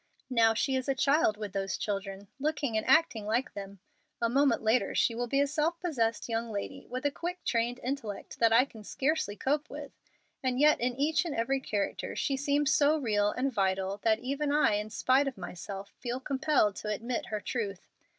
Now she is a child with those children, looking and acting like them. A moment later she will be a self possessed young lady, with a quick, trained intellect that I can scarcely cope with. And yet in each and every character she seems so real and vital that even I, in spite of myself, feel compelled to admit her truth.